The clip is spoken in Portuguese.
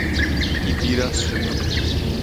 Ibiraçu